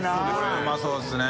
うまそうですね。